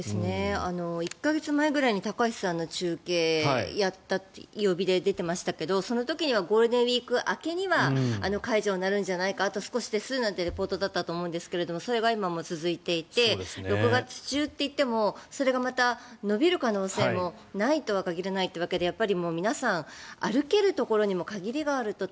１か月前くらいに高橋さんの中継をやった曜日で出てましたけどその時にはゴールデンウィーク明けには解除になるんじゃないかとあと少しですというリポートでしたがそれが今も続いていて６月中といってもそれがまた延びる可能性もないとは限らないということでやっぱり皆さん歩けるところにも限りがあると